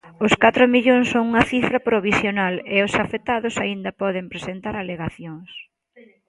Os catro millóns son un cifra provisional e os afectados aínda poden presentar alegacións.